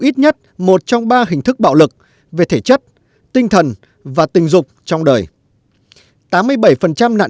ít nhất một trong ba hình thức bạo lực về thể chất tinh thần và tình dục trong đời tám mươi bảy nạn